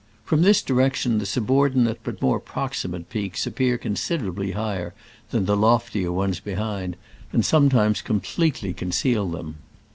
From this di rection the subordinattj but more proximate peaks appear con siderably higher than the loft ier ones be hind, and sometimes c o m pletclv THE VAL O ALBFRBD. conceal them.